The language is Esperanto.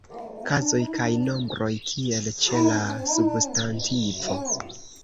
Kazoj kaj nombroj kiel ĉe la substantivo.